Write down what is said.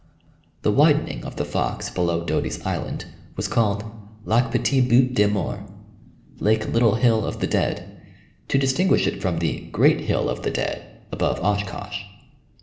The widening of the Fox below Doty's Island was called Lac Petit Butte des Morts, "Lake Little Hill of the Dead," to distinguish it from the "Great Hill of the Dead," above Oshkosh.